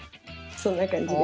そんな感じです。